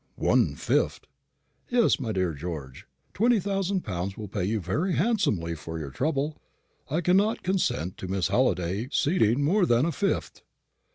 "One fifth?" "Yes, my dear George. Twenty thousand pounds will pay you very handsomely for your trouble. I cannot consent to Miss Halliday ceding more than a fifth."